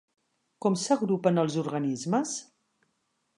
Com s'agrupen els organismes?